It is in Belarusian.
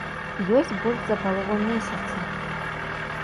Ёсць больш за палову месяца.